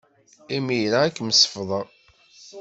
Imir-a, ad kem-sefḍeɣ.